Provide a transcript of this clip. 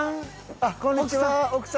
あっこんにちは奥様。